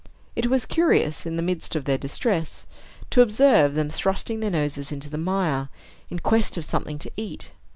It was curious, in the midst of their distress, to observe them thrusting their noses into the mire, in quest of something to eat.